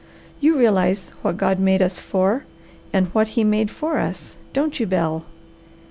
You realize what God made us for and what He made for us, don't you, Bel?"